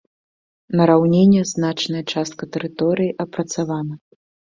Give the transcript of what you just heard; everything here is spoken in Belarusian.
На раўніне значная частка тэрыторыі апрацавана.